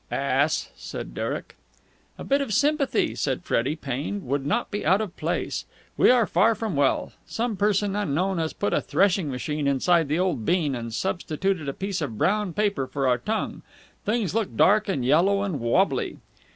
"Ass!" said Derek. "A bit of sympathy," said Freddie, pained, "would not be out of place. We are far from well. Some person unknown has put a threshing machine inside the old bean and substituted a piece of brown paper for our tongue. Things look dark and yellow and wobbly!"